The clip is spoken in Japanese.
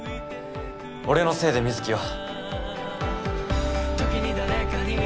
俺のせいで水城は。